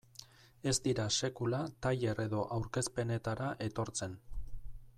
Ez dira sekula tailer edo aurkezpenetara etortzen.